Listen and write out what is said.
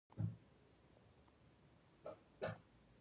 څنګه کولی شم د ماشومانو لپاره د ورځې پلان جوړ کړم